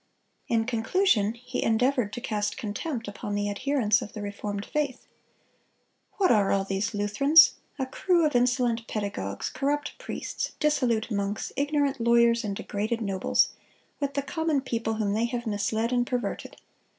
In conclusion, he endeavored to cast contempt upon the adherents of the reformed faith: "What are all these Lutherans? A crew of insolent pedagogues, corrupt priests, dissolute monks, ignorant lawyers, and degraded nobles, with the common people whom they have misled and perverted.